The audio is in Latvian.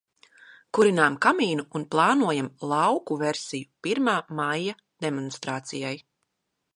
Kurinām kamīnu un plānojam lauku versiju pirmā maija demonstrācijai.